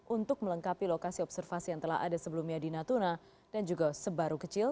untuk melengkapi lokasi observasi yang telah ada sebelumnya di natuna dan juga sebaru kecil